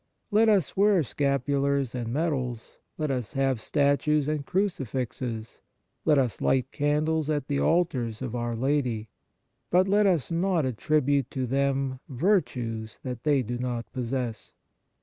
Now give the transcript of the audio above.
Let us wear scapulars and medals, let us have statues and crucifixes, let us light candles at the altars of our Lady, but let us not attribute to them virtues that they do not possess.